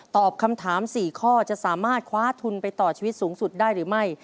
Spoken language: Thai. ตอบคำถาม๔ข้อจะสามารถคว้าทุนไปต่อชีวิตสูงสุดได้หรือไม่